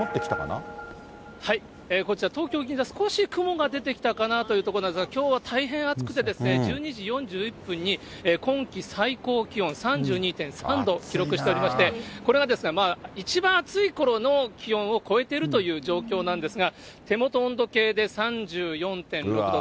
こちら東京・銀座、少し雲が出てきたかなというとこなんですが、きょうは大変暑くてですね、１２時４１分に今季最高気温３２．３度、記録しておりまして、これが一番暑いころの気温を超えているという状況なんですが、手元の温度計で３４．６度。